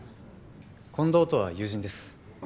近藤とは友人です。